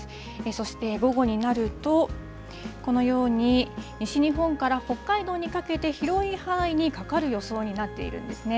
そして午後になると、このように、西日本から北海道にかけて広い範囲にかかる予想になっているんですね。